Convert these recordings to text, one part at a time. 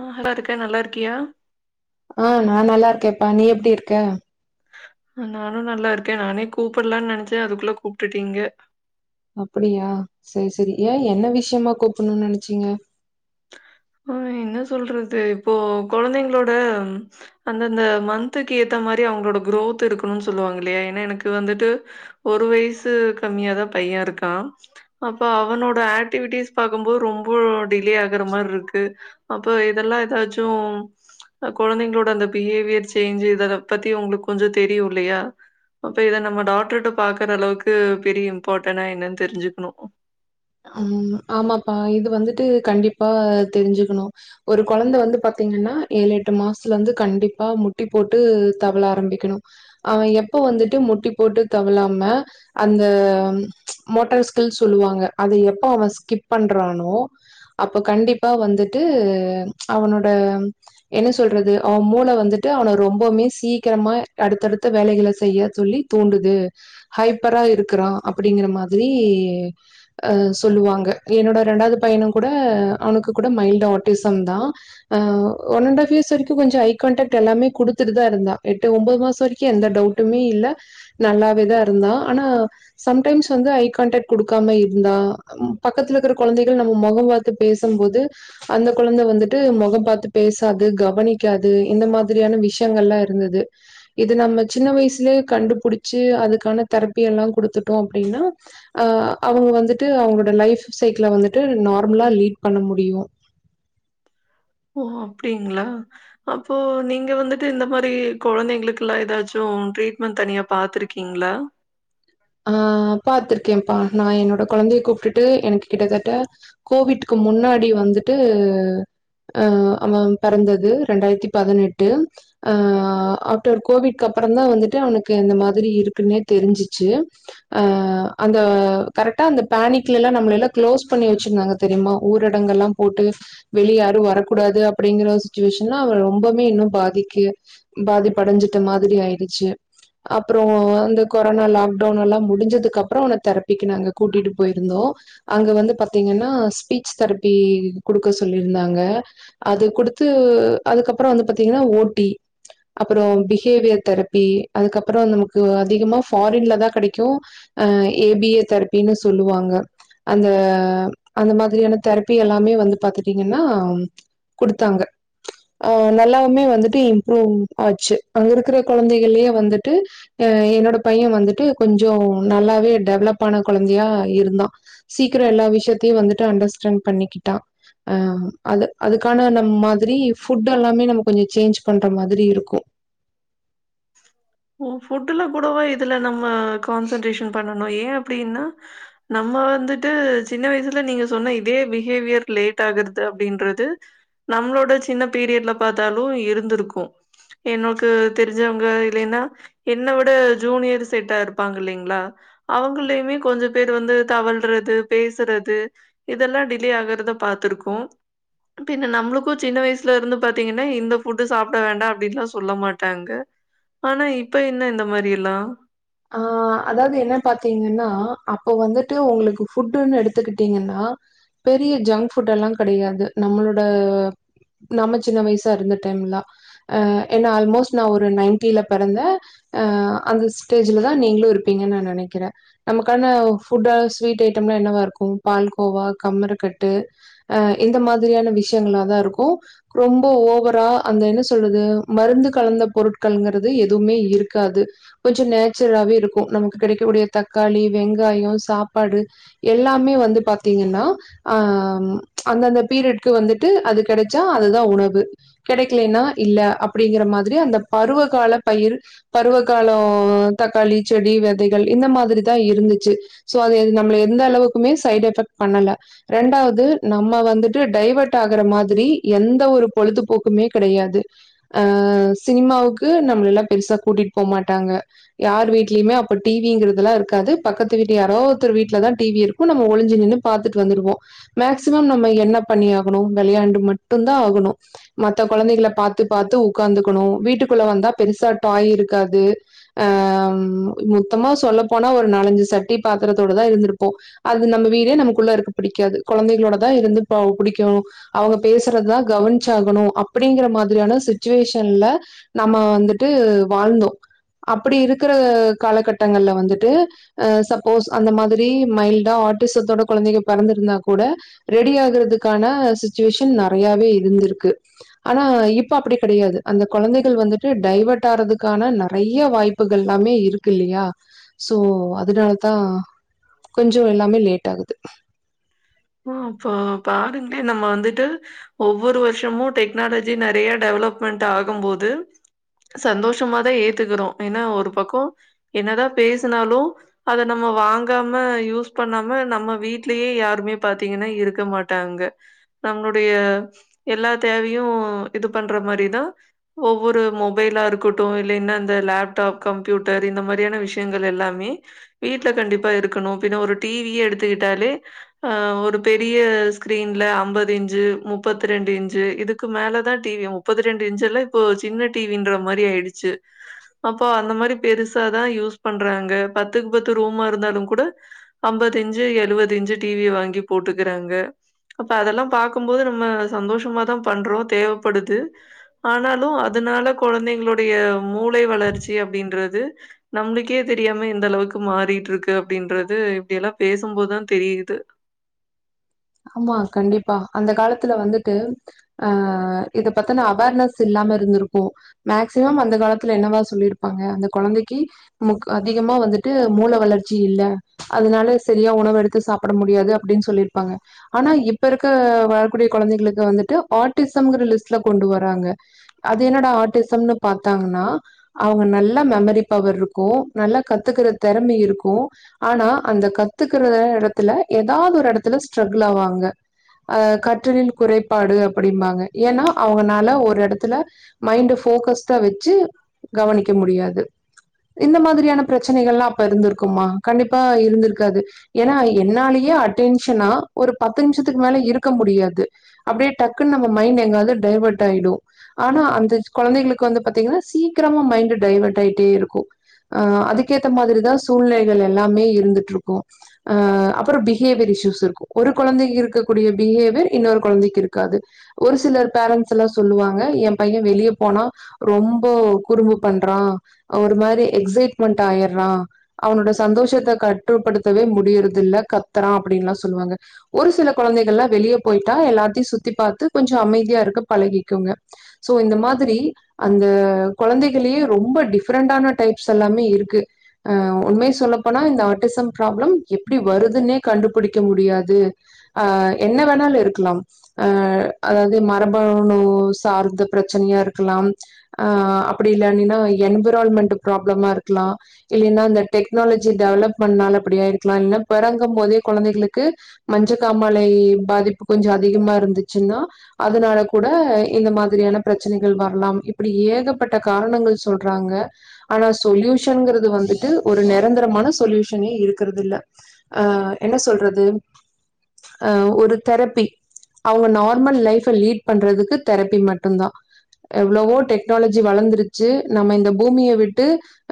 ஆ hello இருக்கேன் நல்லா இருக்கியா ஆ நான் நல்லா இருக்கேன்ப்பா நீ எப்படி இருக்க நானும் நல்லா இருக்கேன் நானே கூப்படலாம்னு நினைச்சேன் அதுக்குள்ள கூப்பிட்டுட்டீங்க அப்படியா சரி சரி ஏன் என்ன விஷயமா கூப்பணும்னு நினைச்சீங்க ஆஹ் என்ன சொல்றது இப்போ குழந்தைங்களோட அந்தந்த மந்த்துக்கு ஏத்த மாரி அவங்களோட குரோத் இருக்கணும்னு சொல்லுவாங்க இல்லையா ஏன்னா எனக்கு வந்துட்டு ஒரு வயசு கம்மியாதான் பையன் இருக்கான் அப்ப அவனோட ஆக்டிவிட்டிஸ் பாக்கும்போது ரொம்ப டிலே ஆகுற மாரி இருக்கு அப்ப இதெல்லாம் ஏதாச்சும் குழந்தைங்களோட அந்த பிஹேவியர் சேஞ்ச் இத பத்தி உங்களுக்கு கொஞ்சம் தெரியும் இல்லையா அப்ப இத நம்ம டாக்டர்ிட்ட பாக்குற அளவுக்கு பெரிய இம்பார்டன்னா என்னன்னு தெரிஞ்சுக்கணும் ஹம் ஆமாப்பா இது வந்துட்டு கண்டிப்பா தெரிஞ்சுக்கணும் ஒரு குழந்தை வந்து பாத்தீங்கன்னா ஏழு எட்டு மாசத்துல வந்து கண்டிப்பா முட்டி போட்டு தவள ஆரம்பிக்கணும் அவன் எப்ப வந்துட்டு முட்டி போட்டு தவழாம அந்த மோட்டார் ஸ்கில் சொல்லுவாங்க அதை எப்ப அவன் ஸ்கிப் பண்றானோ அப்ப கண்டிப்பா வந்துட்டு அவனோட என்ன சொல்றது அவன் மூளை வந்துட்டு அவனை ரொம்பவுமே சீக்கிரமா அடுத்தடுத்த வேலைகளை செய்ய சொல்லி தூண்டுது ஹைப்பரா இருக்கிறான் அப்படிங்கிற மாரி ஆ சொல்லுவாங்க என்னோட ரெண்டாவது பையனும் கூட அவனுக்கு கூட மைல்ட ஆட்டிசம் தான் ஆ ஒன் அண்ட்ஹஃப் இயர்ஸ்க்கும் கொஞ்சம் ஐ கான்டாக்ட் எல்லாமே கொடுத்துட்டு தான் இருந்த எட்டு ஒன்பது மாசம் வரைக்கும் எந்த டவுட்டுமே இல்ல நல்லாவேதான் இருந்தான் ஆனா சம்டைம்ஸ் வந்து ஐ கான்டாக்ட் கொடுக்காம இரு இருந்தா பக்கத்துல இருக்கிற குழந்தைகள் நம்ம முகம் பார்த்து பேசும்போது அந்த குழந்தை வந்துட்டு முகம் பார்த்து பேசாது கவனிக்காது இந்த மாதிரியான விஷயங்கள் எலாம் இருந்தது இது நம்ம சின்ன வயசுலயே கண்டுபிடிச்சு அதுக்கான தெரப்பி எல்லாம் குடுத்துட்டோம் அப்படின்னா ஆ அவங்க வந்து வந்துட்டு அவங்களோட லைஃப் சைக்கில வந்துட்டு நார்மலா லீட் பண்ண முடியும் ஓ அப்டிங்களா அப்போ நீங்க வந்துட்டு இந்த மாதரி குழந்தைங்களுக்குெல்லாம் ஏதாச்சும் ட்ரீட்மெண்ட் தனியா பாத்துிருக்கீங்களா ஆ பாார்த்திருக்கேன்ப்பா நான் என்னோட குழந்தைய கூப்பிட்டுட்டு எனக்கு கிட்டத்தட்ட கோவிட்கு முன்னாடி வந்துட்டு ஆ அவன் பிறந்தது ரெண்டாயிரத்தி பதினெட்டு ஆ ஆஃப்டர் கோவிட்கு அப்புறம தான் வந்துட்டு அவனுக்கு இந்தந்த மாதிரி இருக்குன்னே தெரிஞ்சிச்சு ஆ அந்த கரெக்டா அந்த பேனிக்ல எல்லாம் நம்மள எல்லாம் க்ளோஸ் பண்ணி வச்சிருந்தாங்க தெரியுமா ஊரடங்க எல்லாம் போட்டு வெளிய யாரும் வரக்கூடாது அப்படிங்கிற சுச்சுவேஷன்லாம் அவ ரொம்பவுமே இன்னும் பாதிக்கு பாதிப்படைஞ்சுிட்ட மாதிரி ஆயிடுச்சு அப்புறம் அந்த கொரோனா லாக்ட ன் எல்லாம் முடிஞ்சதுக்குப்புறம் உன தரப்பு பக்குங்க கூட்டிட்டு போயிருந்தோம் அங்க வந்து பத்து [inaudible] ஸ்பீச் தெரபி குடுக்க சொல்லி இருந்தாங்க அது குடுத்து அதுக்கப்புறம் வந்து பாத்தீங்கன்னா ஓட்டி அப்புறம் பிஹேவியர் தெரபி அதுக்கு அப்புறம் நமக்கு அதிகமா ஃபாரின்ல தான் கெடைக்கும் ஏபிஏ தரப்பின்னு சொல்லுவாங்க அந்த அந்த மாதிரியான தெரப்பி எல்லாமே வந்து பாத்துட்டீங்கன்னா கொடுத்தாங்க ஆ நல்லாமே வந்துட்டு இம்ப்ரூவ் ஆச்சு அங்க இருக்கிற குழந்தைகள்யே வந்துட்டு ஆ என்னோட பையன் வந்துட்டு கொஞ்சம் நல்லாவே டெவலப் ஆன கொழந்தையா இருந்தான் சீக்கிரம் எல்லா விஷயத்தையும் வந்துட்டு அண்டர்ஸ்டாண்ட் பண்ணிக்கிட்டான் அஹ் அது அதுக்கான நம் மாதிரி ஃபுட் எல்லாமே நம்ம கொஞ்சம் சேஞ்ச் பண்ற மாதிரி இருக்கும் ஓ ஃபுட்டு்லாம் கூடவா இதுல நம் ம கான்சென்ட்ரேஷன் பண்ணோ னும் ஏன் அப்டின்னா நம்ம வந்துட்டு சின்ன வயசுல நீங்க சொன்ன இதே பிஹேவியர் லேட் ஆகுது அப்டின்றது நம்மளோட சின்ன பீரியட்ல பாத்தாலும் இருந்திருக்கும் எனொக்கு தெரி ஞ்சவங்க இல்லைன்னா என்னை விட ஜூனியர் செட்டா இருப்பாங்க இல்லைங்களா அவங்கயுமே கொஞ்சம் பேர் வந்து தவழ்றது பேசுறது இதெல்லாம் டிலே ஆகறத பாத்துருக்கோம் பின் நம்மளுக்கும் சின்ன வயசுல இருந்து பாத்தீங்கன்னா இந்த ஃபுட் சாப்ட வேண்டாம் அப்டின்னுல்லாம் சொல்ல மாட்டாங்க ஆனா இப்ப என்ன இந்த மாதி எல்லாம் ஆஹ் அதாவது என்ன பாத்தீங்கன்னா அப்ப வந்துட்டு உங்களுக்கு ஃபுட்டுன்னு எடுத்துக்கிட்டீங்கன்னா பெரிய ஜங்க் ஃபுட் எல்லாம் கிடையாது நம்மளோட நம்ம சின்ன வயசா இருந்த டைம்லாம் அஹ் ஏன்னா ஆல்மோஸ்ட் நான் ஒரு நைன்ட்டில பிறந்தேன் அஹ் அந்த ஸ்டேஜ்ல தான் நீங்களும் இருப்பீங்கன்னு நான் நினைக்கிறேன் நமக்கான ஃபுட் ஸ்வீட் ஐட்டம் எலாம் என்னவா இருக்கும் பால்கோவா கம்மரக்கட்டு அஹ் இந்த மாதிரியான விஷயங்கள தான் இருக்கும் ரொம்ப ஓவரா அந்த என்ன சொல்றது மருந்து கலந்த பொருட்கள்ங்கிறது எதுவுமே இருக்காது கொஞ்சொ நேச்சுரலாவே இருக்கு நமக்கு கெடைக்கக்கூடிய தக்காளி வெங்காயோ சாப்பாடு எல்லாமே வந்து பாத்தீங்கன்னா அ ம் அந்தந்த பீரியட்கு வந்துட்டு அது கெடச்சா அதுதான் உணவு கெடைக்கலன்னா இல்ல அப்டிங்கிற மாதிரி அந்த பருவகால பயிர் பருவகால ம் தக்காளி செடி வெதைகள் இந்த மாதிரிதா இருந்துச்சு சோ அது நம்பள எந்த அளவுக்குமே சைட் எஃபெக்ட் பண்ணல ரெண்டாவது நம்ம வந்துட்டு டைவர்ட் ஆகுற மாதிரி எந்த ஒரு பொழுதுபோக்குமே கெடையாது அ சினிமாவுக்கு நம்பளல்லம் பெருசா கூட்டிட் போமாட்டாங்க யார் வீட்லியிமே அப்ப டிவிங்கிறதலா இருக்காது பக்கத்து வீட்டு யாரோவொருத்தர் வீட்லதா டிவி இருக்கு நம்ம ஒளிஞ்சு நின்னு பாத்துட்டு வந்துருவோ மேக்ஸிமம் நம்ம என்ன பண்ணி ஆகணு விளையாண்டு மட்டுந்தா ஆகணு மத்த கொழந்தைகள பாத்து பாத்து உக்காந்துக்கணு வீட்டுக்குள்ள வந்தா பெருசா டாய் இருக்காது ஆ மொத்தமா சொல்லப் போனா ஒரு நாலஞ்சு சட்டி பாத்தரத்தோடதா இருந்திருப்போ அது நம்ப வீடு நமக்குள்ள இருக்க பிடிக்காது கொழந்தைகளோடதா இருந்து ப புடிக்கு அவுங்க பேசுறததா கவனிச்சாகணு அப்டிங்கிற மாதிரியான சுச்சுவேஷன்ல நம்ம வந்துட்டு வாழ்ந்தோ அப்படி இருக்கிற காலகட்டங்கள்ல வந்துட்டு ஆ சப்போஸ் அந்த மாதிரி மைல்டா ஆட்டிசத்தோட கொழந்தைக பெறந்திருந்தா கூட ரெடி ஆகுறதுக்கான சிச்சுவேஷன் நெறையாவே இருந்திருக்கு ஆனா இப்ப அப்டி கெடையாது அந்த கொழந்தைகள் வந்துட்டு டைவர்ட் ஆறதுக்கான ந நெறைய வாய்ப்புகள் எல்லாமே இருக்கு இல்லையா சோ அதனாலதா கொஞ்சொ எல்லாமே லேட் ஆகுது பாருங்க நம்ம வந்துட்டு ஒவ்வொரு வர்ஷமும் டெக்னாலஜி நெறைய டெவலமெண்ட் ஆகும்போது சந்தோஷமா தா ஏத்துக்கறோ ஏனா ஒரு பக்கம் என்னதா பேஸ்னாலு அத நம்ம வாங் காம யூஸ் பண்ணாம நம்ம வீட்லயே யாருமே பாத்தீங்கன்னா இருக்க மாட்டாங்க நம்முடைய எல்லா தேவையு இது பண்ற மாரிதா ஒவ்வொரு மொபைலா இருக்கட்டு இல்லேனா அந்த லேப்டாப் கம்ப்யூட்டர் இந்த மாதிரியான விஷ்யங்கள் எல்லாமே வீட்ல கண்டிப் ப இருக்கணு பின்ன ஒரு டிவியே எடுத்து கிட்டாலே ஆ ஒரு பெரிய ஸ்கிரீன்ல அம்பது இஞ்சு முப்பத்ரண்டு இஞ்சு இதுக்கு மேல தா டிவி முப்பத்ரெண்டு இஞ்செல்லா இப்ப சின்ன டிவின்ற மாரி ஆயிடுச்சு அப்போ அந்த மாரி பெருசா தா யூஸ் பண்றாங்க பத்துக்கு பத்து ரூமா இருந்தாலு கூட அம்பது இஞ்சு எழுவது இஞ்சு டீவி வாங்கி போட்டுக்கிறாங்க அப்ப அதெல்லா பாக்கும்போது நம்ப சந்தோஷமா தா பண்றோ தேவப்படுது ஆனாலு அதனால கொழந்தைங்களுடைய மூளை வளர்ச்சி அப்டின்றது நம்பளுக்கே தெரியாம எந்தளவுக்கு மாறிட்ருக்கு அப்டின்றது இப்டியல்லா பேசும்போதுதா தெரியுது ஆமா கண்டிப்பா அந்த காலத்துல வந்துட்டு ஆ இத பத்தன்ன அவேர்னஸ் இல்லாம இருந்திருக்கு மேக்ஸிமம் அந்த காலத்துல என்னவா சொல்லியிருப்பாங்க அந்த கொழந்தைக்கு முக் அதிகமா வந்துட்டு மூள வளர்ச்சி இல்ல அதனால சரியா உணவு எடுத்து சாப்பிட முடியாது அப்டின்னு சொல்லிருப் பாங்க ஆனா இப்ப இருக்க வரக்கூடிய கொழந்தைகளுக்கு வந்துட்டு ஆர்டிசம்ங்கிற லிஸ்ட்ல கொண்டு வராங்க அது என்னடா ஆர்டிசம்னு பாத்தாங்கன்னா அவங்க நல்லா மெமரி பவர்ருக்கு நல்ல கத்துக்கற தெறமை இருக்கு ஆனா அந்த கத்துக்கற ஆ எடத்துல எதாவது ஒரு எடத் துல ஸ்ட்ரகுல் ஆவாங்க ஆ கற்றலில் குறைபாடு அப்டிம்பாங்க ஏன்னா அவங்கனால ஒரு எடத்துல மைண்ட ஃபோக்கஸ்டா வச்சு கவனிக்க முடியாது இந்த மாதிரியான பெரச்சனைகலா அப்ப இருந்துருக்குமா கண்டிப்பா இருந்துருக்காது ஏன்னா என்னாலயே அட்டென் ச்சினா ஒரு பத்து நிம்ஷத்துக்கு மேல இருக்க முடியாது அப்டியே டக்குன்னு நம்ப மைண்ட் எங்கவாது டைவர்ட் ஆயிடு ஆனா அந்த கொழந்தங்களுக்கு வந்து பாத்திங்கன்னா சீக்கிரமா மைண்டு டைவர்ட் ஆயிட்டேயிருக்கு ஆ அதுக்கேத்த மாரி தா சூழ்நிலைகள் எல்லாமே இருந்துட்டுருக்கு ஆ அப்பறோ பிஹேவியர் இஷுஸ் [unintelligible] ஒரு கொழந்தைக்கு இருக்கக்கூடிய பிஹேவியர் இன்னொரு கொழந்தைக்கு இருக்காது ஒரு சிலர் பேரண்ட்ஸ்ஸெல்லா சொல்லுவாங்க ஏ பைய வெளிய போனா ரொம்பொ குறும்பு பண்றா ஆ ஒரு மாரி எக்சைட்மெண்ட்டாயிறா அவனோட சந்தோஷத்த கட்டுப்படுத்தவே முடியறது இல்ல கத்துறா அப்டின்லா சொல்லுவாங்க ஒரு சில கொழந்தைகள்லா வெளிய போயிட்டா எல்லாத்தையு சுத்தி பாத்து கொஞ்ச அமைதியா இருக்க பழகிங்குங்க சோ இந்த மாதிரி அந்த கொழந்தைகள்லயே ரொம்ப டிஃப்ரண்டான டைப்ஸ் எல்லாமே இருக்கு ஆ உண்மை சொல்லப்போனா இந்த ஆட்டிசம் ப்ராப்ளம் எப்டி வருதுன்னே கண்டுபிடிக் க்க முடியாது ஆ என்ன வேணாலு இருக்கலாம் அ அதாவது மரபணு சார்ந்த பிரச்சனையா இருக்கலாம் ஆ அப்படி இல்லனின்னா என்வரால்மெண்ட் ப்ராப்ளமா இருக்கலா இல்லைன்னா இந்த டெக்னாலஜி டெவலப் இதனால இப்பிடி இருக்லா இல்ல பெறக்கம்போதே கொழந்தைளுக் வந்து மஞ்ச காாமலை பாதிப்பு கொஞ்ச அதிகமா இருந்துச்சுன்னா அதனால கூட இந்த மாதிரியான பிரச்சனைகள் வரலா இப்படி ஏகப்பட்ட காரணங்கள் சொல்றாங்க ஆனா சொல்யூஷன்ங்கிறது வந்துட்டு ஒரு நிரந்தரமான சொல்யூஷனே இருக்கிறது இல்ல ஆ என்ன சொல்றது அ ஒரு தெரப்பி அவங்க நார்மல் லைஃப லீட் பண்றதுக்கு தெரப்பி மட்டு தா எவ்வளவோ டெக்னாலஜி வளர்ந்துருச்சு நம்ம இந்த பூமியை விட்டு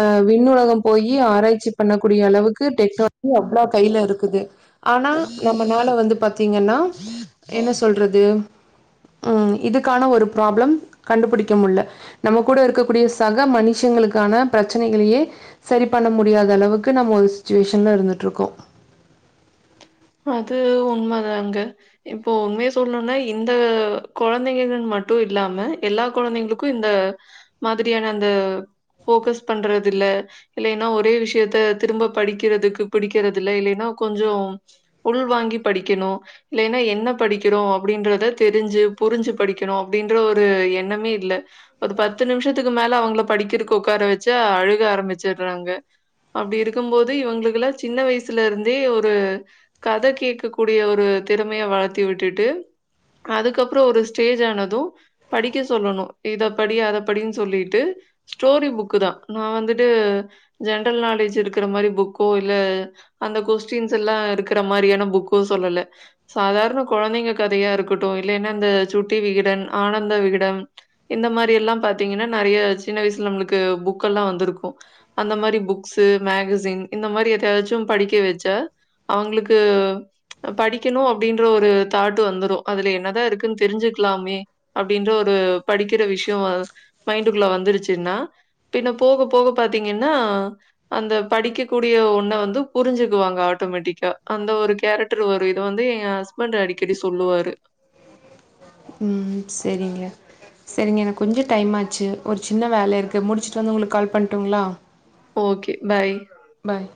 அ விண்ணுலகம் போயி ஆராய்ச்சி பண்ணக்கூடிய அளவுக்கு டெக்னாலஜி அவ்வளவு கையில இருக்குது ஆனா நம்மனால வந்து பாத்தீங்கன்னா என்ன சொல்றது ம் இதுக்கான ஒரு ப்ராப்ளம் கண்டுபுடிக்க முடில நம்ம கூட இருக்கக்கூடிய சக மனுஷங்களுக்கான பிரச்சனைகளையே சரி பண்ண முடியாத அளவுக்கு நம்ம ஒரு சிட்வேஷன்ல இருந்துட்டு இருக்கோ அது உண்ம தாங்க இப்போ உண்மைய சொல்ணுனா இந்த கொழந்தைங்க மட்டு இல்லாம எல்லா கொழந்தைங்களுக்கு இந்த மாதிரியான அந்த போக்கஸ் பண்றது இல்ல இல்லைன்னா ஒரே விஷயத்த திரும்ப படிக்கிறதுக்கு பிடிக்கறது இல்ல இல்லைன்னா கொஞ்ச உள் வாாங்கி படிக்கணு இல்லன்னா என்ன படிக்கிறோ அப்படின்றத தெரிஞ்சு புரிஞ்சு படிக்கணு அப்டின்ற ஒரு எண்ணமே இல்ல ஒரு பத்து நிமிஷத்துக்கு மேல அவங்கள படிக்கிறக்கு உட்கார வச்சா அழுக ஆரம்பிச்சடுறாங்க அப்டி இருக்கு போது இவங்களுக்கு எல்லா சின்ன வயசுல இருந்தே ஒரு கதை கேட்க கூடிய ஒரு திறமையை வளர்த்தி விட்டுட்டு அதுக்கப்பறம் ஒரு ஸ்டேஜ் ஆனது படிக்க சொல்லணு இத படி அத படினு சொல்லிட்டு ஸ்டோரி புக்கு தா நான் வந்துட்டு ஜென்ரல் நாலேஜ் இருக்கிற மாதிரி புக்கோ இல்ல அந்த கொஸ்டின்ஸ் எல்லா இருக் இருக்குற மாரியான புக்கு சொல்லல சாதாரண கொழந்தைங்க கதையா இருக்கட்டு இல்லன்னா இந்த சுட்டி விகிடன் ஆனந்த விகிடம் இந்த மாரி எல்லா பாத்தீங்கன்னா நறைய சின்ன வயசுல நம்மளுக்கு புக்கல்லா வந்துருக்கு அந்த மாரி புக்ஸ் மேகசின் இந்த மாரி எதையாச்சு படிக்க வச்சா அவங்களுக்கு படிக்கணு அப்படின்ற ஒரு தாட்டு வந்துடு அதுல என்னதா இருக்குன்னு தெரிஞ்சுக்கலாமே அப்படின்ற ஒரு படிக்கிற விஷய மைண்டுக்குள்ள வந்துருச்சுன்னா பின் போக போக பாத்தீங்கன்னா அந்த படிக்கக்க கூடிய ஒண்ண வந்து புரிஞ்சுக்குவாங்க ஆட்டோமேட்டிக் அந்த ஒரு கேரட்டர் வரு இத வந்து எ ஹஸ்பண்ட் அடிக்கடி சொல்லுவாரு ம் சரிங்க சரிங்க எனக்கு கொஞ்ச டைமாச்சு ஒரு சின்ன வேல இருக்கு முடிச்சுட்டு வந்து உங்களுக்கு கால் பண்ணட்டுங்களா ஓகே பாய் பாய்